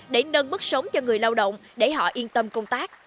để nâng bức sống cho người lao động để họ yên tâm công tác